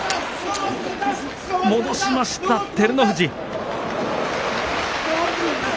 戻しました、照ノ富士。